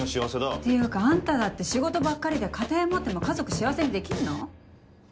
っていうかあんただって仕事ばっかりで家庭持っても家族幸せにできんの？